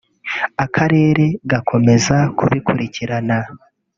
Akarere gakomeza kubikurikirana